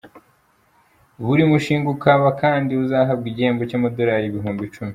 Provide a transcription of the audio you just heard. Buri mushinga ukaba kandi uzahabwa igihembo cy’Amadorari ibihumbi icumi.